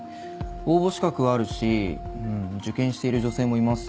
応募資格はあるし受験している女性もいます。